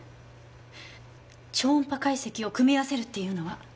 超音波解析を組み合わせるっていうのは？